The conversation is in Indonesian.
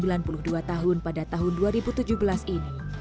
dan berusia dua puluh dua tahun pada tahun dua ribu tujuh belas ini